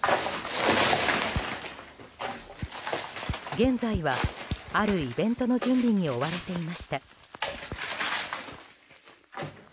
現在は、あるイベントの準備に追われていました。